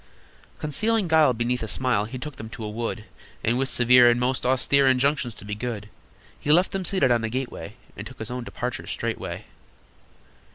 Concealing guile beneath a smile, He took them to a wood, And, with severe and most austere Injunctions to be good, He left them seated on a gateway, And took his own departure straightway.